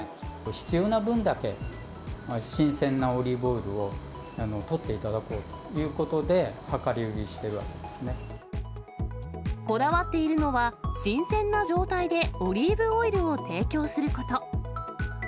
必要な分だけ新鮮なオリーブオイルをとっていただこうということこだわっているのは、新鮮な状態でオリーブオイルを提供すること。